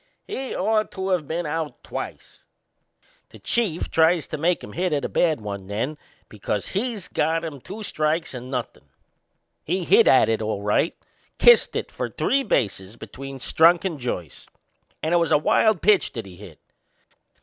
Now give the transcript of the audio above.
He'd ought to of been out twice. The Chief tries to make him hit at a bad one then, because he'd got him two strikes and nothin'. He hit at it all right kissed it for three bases between Strunk and Joyce! And it was a wild pitch that he hit.